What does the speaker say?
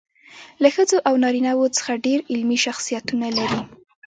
له ښځو او نارینه وو څخه ډېر علمي شخصیتونه لري.